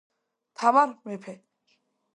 თამარ მეფე